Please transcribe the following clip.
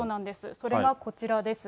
それがこちらです。